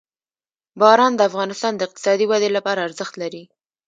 باران د افغانستان د اقتصادي ودې لپاره ارزښت لري.